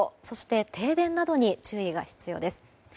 そして、停電などに注意が必要です。